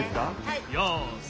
よし！